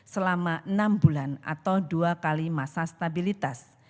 selama enam bulan atau dua kali masa stabilitas